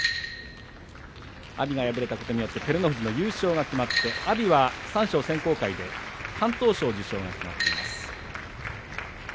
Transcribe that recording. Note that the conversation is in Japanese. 阿炎が敗れたことによって照ノ富士の優勝が決まって阿炎は三賞選考会で敢闘賞受賞となりました。